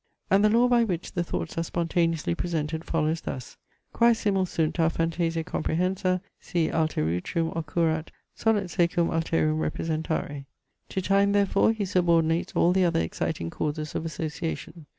And the law by which the thoughts are spontaneously presented follows thus: "quae simul sunt a phantasia comprehensa, si alterutrum occurrat, solet secum alterum representare." To time therefore he subordinates all the other exciting causes of association.